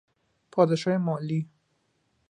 پاداشهای مالی